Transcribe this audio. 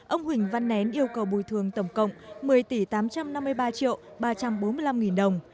ông huỳnh văn nén yêu cầu bồi thường tổng cộng một mươi tỷ tám trăm năm mươi ba triệu ba trăm bốn mươi năm nghìn đồng